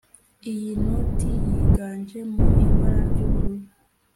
Iyi noti yiganje mu ibara ry’ubururu